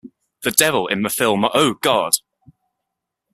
The Devil in the film Oh, God!